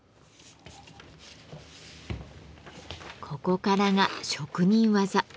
ここからが職人技。